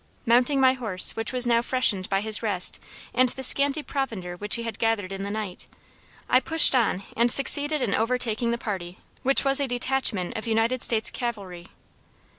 Mounting my horse, which was now freshened by his rest and the scanty provender which he had gathered in the night, I pushed on and succeeded in overtaking the party which was a detachment of United States cavalry.